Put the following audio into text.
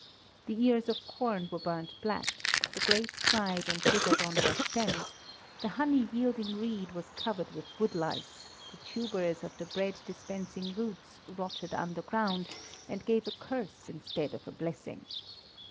The ears of corn were burnt black, the grapes dried and withered on their stems, the honey yielding reed was covered with wood lice, the tubers of the bread dispensing roots rotted underground, and gave a curse instead of a blessing.